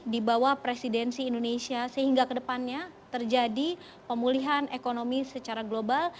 di bawah presidensi indonesia sehingga kedepannya terjadi pemulihan ekonomi secara global